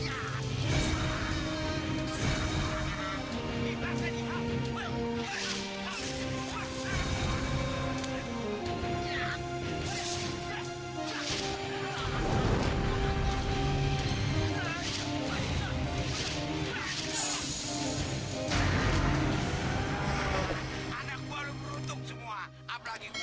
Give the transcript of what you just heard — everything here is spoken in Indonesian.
yalah puin buat laki laki nanti